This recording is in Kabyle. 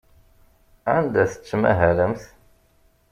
Anda tettmahalemt?